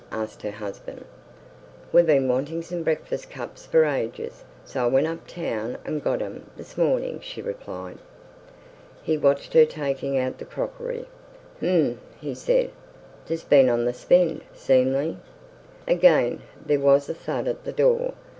asked her husband. "We've been wantin' some breakfast cups for ages, so I went up town an' got 'em this mornin'," she replied. He watched her taking out the crockery. "Hm!" he said. "Tha's been on th' spend, seemly." Again there was a thud at the door.